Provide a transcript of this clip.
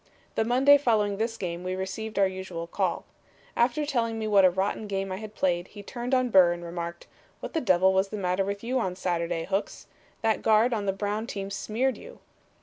The Monday following this game we received our usual 'call.' After telling me what a rotten game I had played he turned on Burr and remarked. 'What the devil was the matter with you on Saturday, Hooks? That guard on the Brown team "smeared" you.'